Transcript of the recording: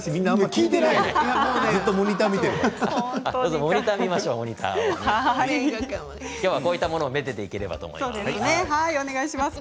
きょうはこういったものをめでていければと思います。